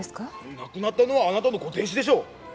亡くなったのはあなたのご亭主でしょう！？